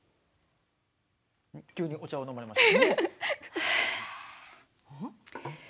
急にお茶を飲まれました。